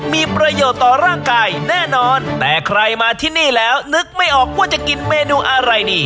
มีประโยชน์ต่อร่างกายแน่นอนแต่ใครมาที่นี่แล้วนึกไม่ออกว่าจะกินเมนูอะไรดี